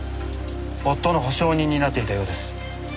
夫の保証人になっていたようです。